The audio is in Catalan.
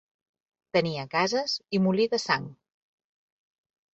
Tenia cases i molí de sang.